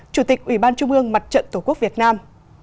chủ tịch ủy ban trung ương mặt trận tổ quốc việt nam